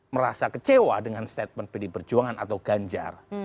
merasa kecewa dengan statement pdi perjuangan atau ganjar